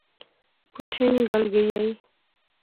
پچھے نی گل گئی آئی